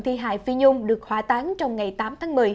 thi hải phi nhung được hỏa táng trong ngày tám tháng một mươi